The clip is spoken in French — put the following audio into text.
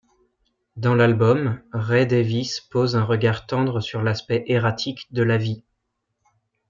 Dans l'album, Ray Davies pose un regard tendre sur l'aspect erratique de la vie.